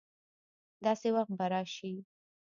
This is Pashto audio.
داسي وخت به راشي